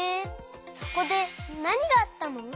そこでなにがあったの？